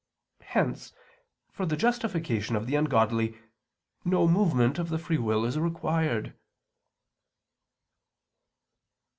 Hence for the justification of the ungodly no movement of the free will is required.